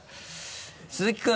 鈴木君。